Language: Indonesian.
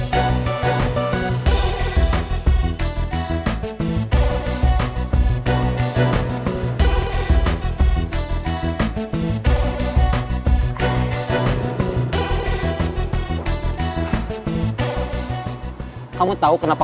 kalau gitu berarti teteh udah tau semua